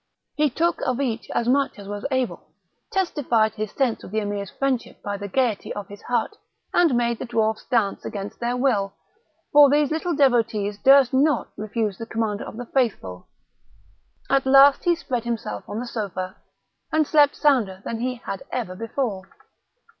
He took of each as much as he was able, testified his sense of the Emir's friendship by the gaiety of his heart, and made the dwarfs dance against their will, for these little devotees durst not refuse the Commander of the Faithful; at last he spread himself on the sofa, and slept sounder than he had ever before.